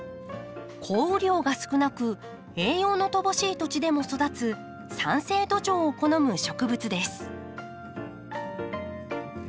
降雨量が少なく栄養の乏しい土地でも育つ酸性土壌を好む植物です。